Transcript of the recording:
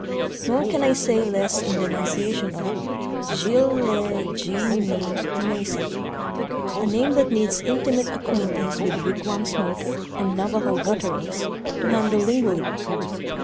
Nor can I say less in denunciation of " Zilh le ji ni Mesa "—a name that needs intimate acquaintance with wigwam smoke and Navajo gutturals to handle lingually.